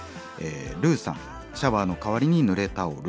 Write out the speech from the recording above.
ルウさん「シャワーの代わりにぬれタオル」。